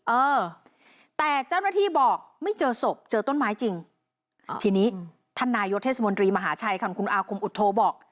เออแต่เจ้าหน้าที่บอกไม่เจอศพเจอต้นไม้จริงทีนี้ท่านนายกเทศมนตรีมหาชัยค่ะคุณอาคมอุโทบอก